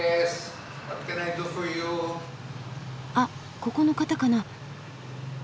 あっここの方かな。